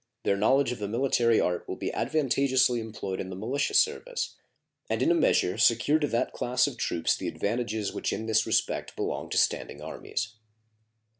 Their knowledge of the military art will be advantageously employed in the militia service, and in a measure secure to that class of troops the advantages which in this respect belong to standing armies.